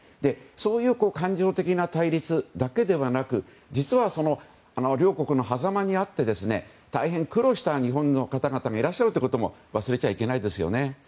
そういう感情的な対立だけではなく実は、両国のはざまにあって大変苦労した日本の方々がいるということも忘れてはいけないですよね。